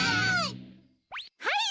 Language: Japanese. はい。